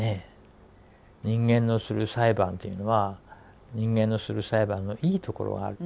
人間のする裁判というのは人間のする裁判のいいところがある。